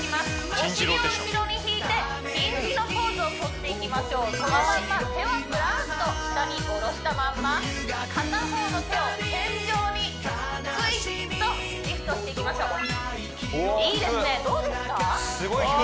お尻を後ろに引いてヒンジのポーズをとっていきましょうそのまんま手はぶらんと下に下ろしたまんま片方の手を天井にぐいっとリフトしていきましょういいですねどうですか？